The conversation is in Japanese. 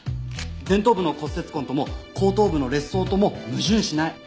前頭部の骨折痕とも後頭部の裂創とも矛盾しない。